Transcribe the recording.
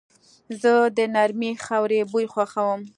زه د نرمې خاورې بوی خوښوم.